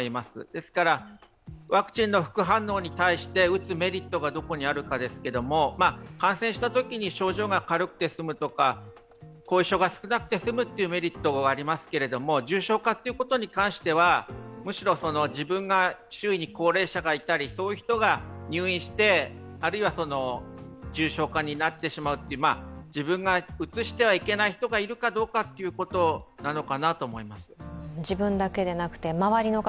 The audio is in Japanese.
ですから、ワクチンの副反応に対して打つメリットがどこにあるかですけれども、感染したときに症状が軽くて済むとか後遺症が少なくて済むというメリットはありますけれども重症化に関しては、むしろ自分が周囲に高齢者がいたり、そういう人が入院して、あるいは重症化してしまう、自分がうつしてはいけない人がいるかどうかなのかなと思います。